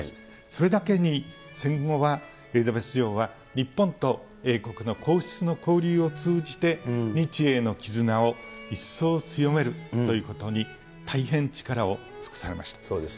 それだけに戦後はエリザベス女王は日本と英国の皇室の交流を通じて、日英の絆を一層強めるということに、大変力を尽くされました。